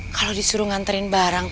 kalo disuruh nganterin barang